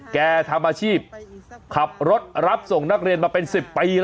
ทำอาชีพขับรถรับส่งนักเรียนมาเป็น๑๐ปี